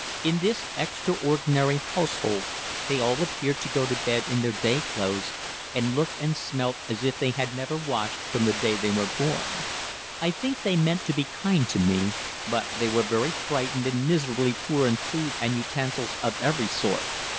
In this extraordinary household they all appeared to go to bed in their day clothes, and looked and smelt as if they had never washed from the day they were born. I think they meant to be kind to me, but they were very frightened and miserably poor in food and utensils of every sort.